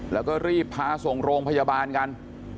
แล้วก็รีบพาส่งโรงพยาบาลกัน